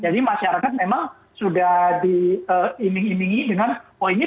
jadi masyarakat memang sudah diiming imingi dengan robot trading ini